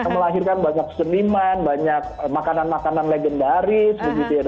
melahirkan banyak seniman banyak makanan makanan legendaris